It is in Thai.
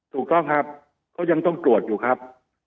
ถูกต้องครับเขายังต้องตรวจอยู่ครับ